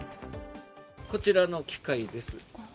こちらの機械です。